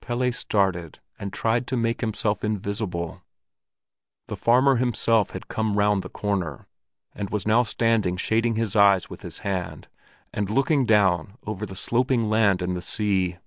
Pelle started and tried to make himself invisible. The farmer himself had come round the corner, and was now standing shading his eyes with his hand and looking down over the sloping land and the sea.